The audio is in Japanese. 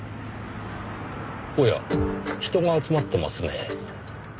おや人が集まってますねぇ。